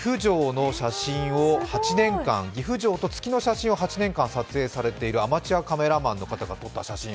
岐阜城と月の写真を８年間撮影されているアマチュアカメラマンの方が撮った写真。